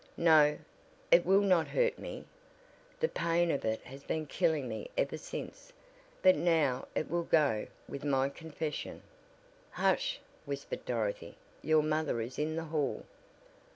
"No, it will not hurt me. The pain of it has been killing me ever since, but now it will go with my confession!" "Hush!" whispered Dorothy, "your mother is in the hall."